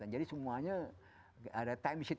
jadi semuanya ada time sheet